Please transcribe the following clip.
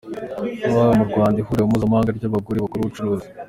Ubwo hatangizwaga mu Rwanda ihuriro mpuzamahanga ry’abagore bakora ubucuruzi.